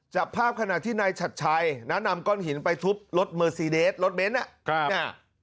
จับภาพขณะที่นายฉัดชัยนะนำก้อนหินไปทุบรถเมอร์ซีเดสรถเบนท์